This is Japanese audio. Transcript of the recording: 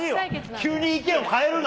急に意見を変えるな。